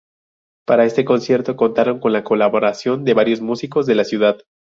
Para este concierto contaron con la colaboración de varios músicos de la ciudad.